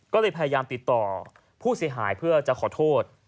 ก็เลยพยายามติดต่อผู้เสียหายเพื่อจะขอโทษ